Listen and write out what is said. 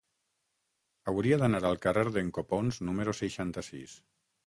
Hauria d'anar al carrer d'en Copons número seixanta-sis.